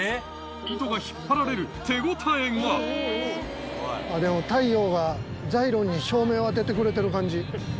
糸が引っ張られる手応えがでも太陽がザイロンに照明を当ててくれてる感じ。